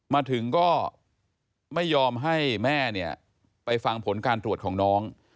มาถึงก็ไม่ยอมให้แม่เนี่ยไปฟังผลการตรวจของน้อง